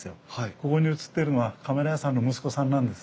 ここに写ってるのはカメラ屋さんの息子さんなんです。